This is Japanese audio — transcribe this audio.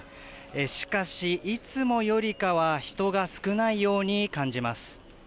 しかし、いつもよりかは人が少ないように感じます。